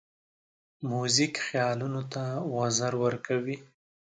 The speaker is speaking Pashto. موزیک خیالونو ته وزر ورکوي.